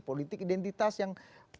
politik identitas yang